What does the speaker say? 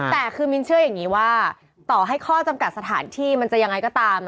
แต่คือมินเชื่ออย่างนี้ว่าต่อให้ข้อจำกัดสถานที่มันจะยังไงก็ตาม